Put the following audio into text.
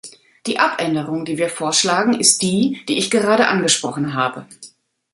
Die Abänderung, die wir vorschlagen, ist die, die ich gerade angesprochen habe.